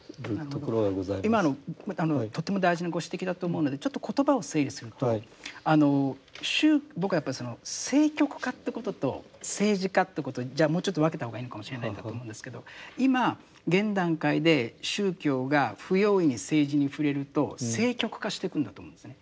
今のとても大事なご指摘だと思うのでちょっと言葉を整理すると僕はやっぱりその政局化ということと政治化ということをもうちょっと分けた方がいいのかもしれないんだと思うんですけど今現段階で宗教が不用意に政治に触れると政局化してくんだと思うんですね。